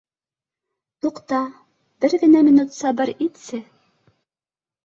Туҡта, бер генә минут сабыр итсе